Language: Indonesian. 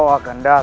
tepaskan nyi iroh